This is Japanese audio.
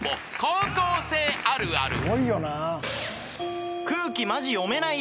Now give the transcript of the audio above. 「高校生あるある」］